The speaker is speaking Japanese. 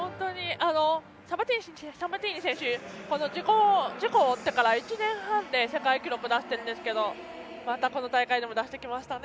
サバティーニ選手は事故を負ってから１年半で世界記録を出しているんですけどまたこの大会でも出してきましたね。